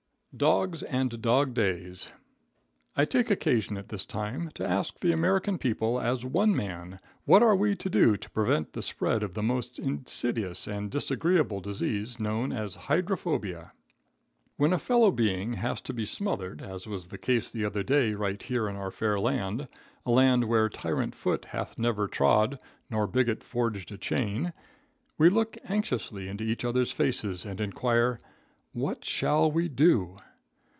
Dogs and Dog Days. I take occasion at this time to ask the American people as one man, what are we to do to prevent the spread of the most insidious and disagreeable disease known as hydrophobia? When a fellow being has to be smothered, as was the case the other day right here in our fair land, a land where tyrant foot hath never trod nor bigot forged a chain, we look anxiously into each other's faces and inquire, what shall we do?